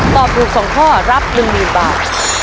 ตอบถูก๒ข้อรับ๑๐๐๐บาท